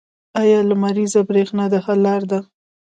آیا لمریزه بریښنا د حل لاره ده؟